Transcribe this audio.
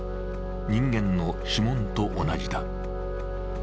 人間の指紋と同じだ。